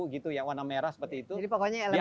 gitu ya warna merah seperti itu jadi pokoknya elemen